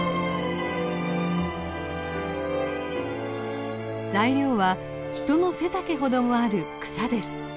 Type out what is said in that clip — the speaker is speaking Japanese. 材料は人の背丈ほどもある草です。